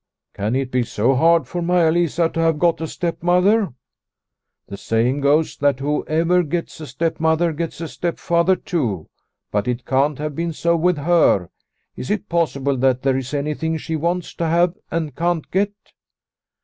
" Can it be so hard for Maia Lisa to have got 138 Liliecrona's Home a stepmother ? The saying goes that whoever gets a stepmother, gets a stepfather too, but it can't have been so with her. Is it possible that there is anything she wants to have and can't get